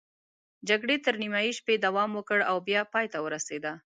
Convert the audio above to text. جګړې تر نیمايي شپې دوام وکړ او بیا پای ته ورسېده.